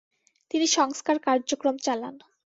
তিনি সংস্কার কার্যক্রম চালান।